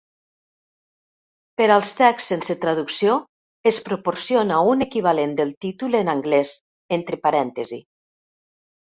Per als texts sense traducció, es proporciona un equivalent del títol en anglès entre parèntesis.